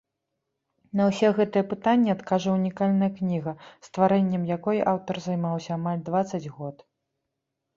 На ўсе гэтыя пытанні адкажа ўнікальная кніга, стварэннем якой аўтар займаўся амаль дваццаць год.